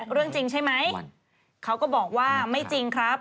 เรื่องจริงใช่ไหมเขาก็บอกว่าไม่จริงครับ